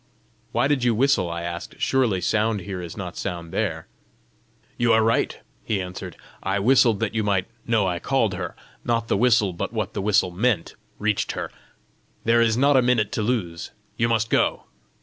"Why did you whistle?" I asked. "Surely sound here is not sound there!" "You are right," he answered. "I whistled that you might know I called her. Not the whistle, but what the whistle meant reached her. There is not a minute to lose: you must go!"